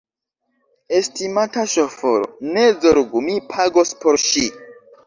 Estimata ŝoforo, ne zorgu, mi pagos por ŝi